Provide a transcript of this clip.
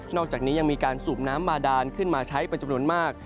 อกจากนี้ยังมีการสูบน้ำบาดานขึ้นมาใช้เป็นจำนวนมาก